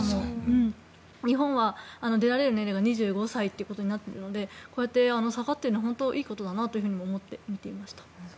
日本は出られる年齢が２５歳ということになるのでこうやって下がるのは本当にいいことだなと思って見ていました。